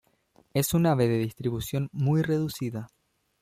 Es un ave de distribución muy reducida.